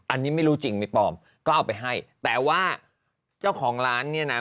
อันนี้ไม่รู้จริงไม่ปลอมก็เอาไปให้แต่ว่าเจ้าของร้านเนี่ยนะ